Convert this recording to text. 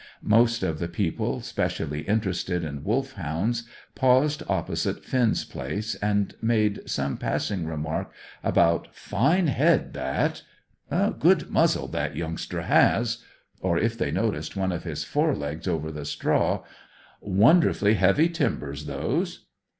Most of the people specially interested in Wolfhounds paused opposite Finn's place, and made some passing remark about: "Fine head, that!" "Good muzzle that youngster has!" or if they noticed one of his forelegs over the straw: "Wonderful heavy timbers, those!"